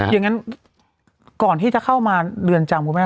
อย่างนั้นก่อนที่จะเข้ามาเรือนจำคุณแม่